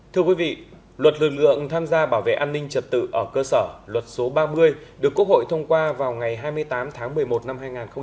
thưa quý vị luật lực lượng tham gia bảo vệ an ninh trật tự ở cơ sở luật số ba mươi được quốc hội thông qua vào ngày hai mươi tám tháng một mươi một năm hai nghìn một mươi ba